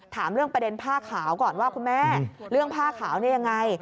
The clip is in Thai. ถามเรื่องประเด็นผ้าขาวก่อนว่าคุณแม่เรื่องผ้าขาวนี่ยังไง